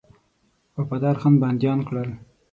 وفادارخان بنديان کړل.